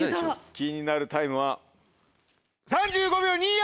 気になるタイムは３５秒２４！